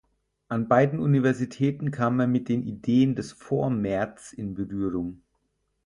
An beiden Universitäten kam er mit den Ideen des Vormärz in Berührung.